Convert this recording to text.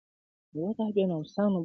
ورته پاته په میراث وو له نیکونو -